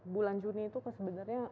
bulan juni itu sebenarnya